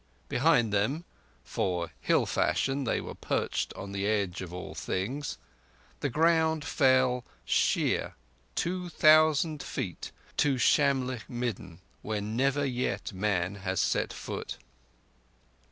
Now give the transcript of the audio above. Behind them—for, hill fashion, they were perched on the edge of all things—the ground fell sheer two thousand feet to Shamlegh midden, where never yet man has set foot.